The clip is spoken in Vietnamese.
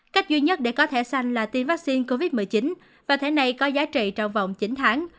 cách duy nhất để có thể xanh là tiêm vaccine covid một mươi chín và thẻ này có giá trị trong vòng chín tháng